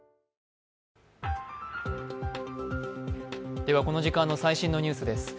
ではこの時間の最新のニュースです。